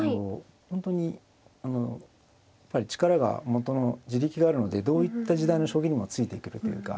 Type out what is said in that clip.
本当にやっぱり力が元の地力があるのでどういった時代の将棋にもついていけるっていうか。